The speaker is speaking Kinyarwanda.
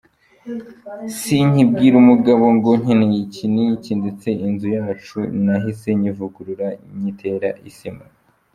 Sinkibwira umugabo ngo nkeneye iki n’iki ndetse inzu yacu nahise nyivugurura nyitera isima.